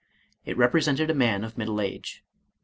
It represented a man of middle age.